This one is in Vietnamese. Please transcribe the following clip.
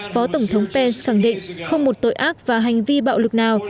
phó tổng thống pence khẳng định không một tội ác và hành vi bạo lực nào